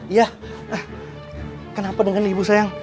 iya kenapa dengan ibu sayang